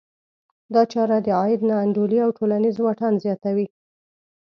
دا چاره د عاید نا انډولي او ټولنیز واټن زیاتوي.